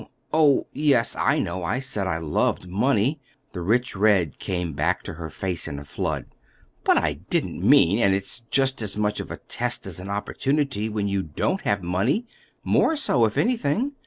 Oh, yes, I know, I said I loved money." The rich red came back to her face in a flood. "But I didn't mean—And it's just as much of a test and an opportunity when you don't have money—more so, if anything.